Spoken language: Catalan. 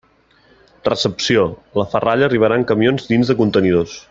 Recepció: la ferralla arribarà en camions, dins de contenidors.